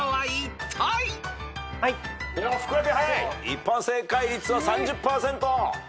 一般正解率は３０％。